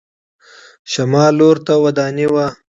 شمال لور ته ودانۍ وه.